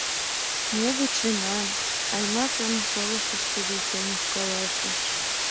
Ме вучена, — Аймакын пылышышкыже конюх каласыш.